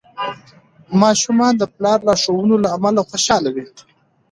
ماشومان د پلار لارښوونو له امله خوشحال وي.